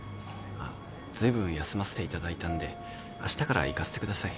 あっずいぶん休ませていただいたんであしたから行かせてください。